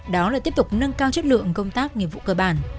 đó là tiếp tục nâng cao chất lượng công tác nghiệp vụ cơ bản